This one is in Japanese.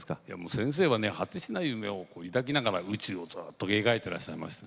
先生は果てしない夢を抱きながら宇宙を描いてらっしゃいました。